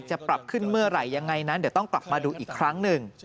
จะปรับขึ้นเมื่อไหร่ยังไงนั้นเดี๋ยวต้องกลับมาดูอีกครั้งหนึ่ง